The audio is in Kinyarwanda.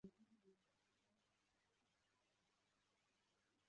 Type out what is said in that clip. Umusore arimo gusoma igitabo yicaye hasi